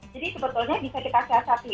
jadi sebetulnya bisa kita siasati